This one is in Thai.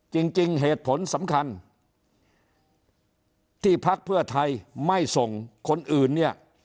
จริงเหตุผลสำคัญที่พักเพื่อไทยไม่ส่งคนอื่นเนี่ย